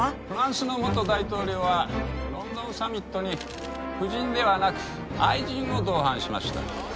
フランスの元大統領はロンドンサミットに夫人ではなく愛人を同伴しました。